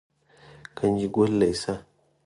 ګنجګل لېسه